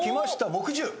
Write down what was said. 木１０。